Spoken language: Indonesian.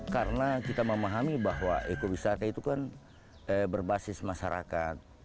karena kita memahami bahwa ekobisata itu kan berbasis masyarakat